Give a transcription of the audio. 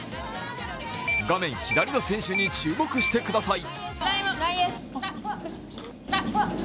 画面左の選手に注目してください。